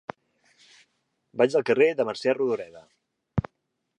Vaig al carrer de Mercè Rodoreda.